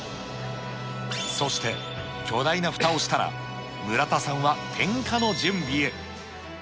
そして、巨大なふたをしたら、村田さんは点火の準備へ。